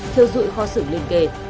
theo dụi kho xưởng liên kề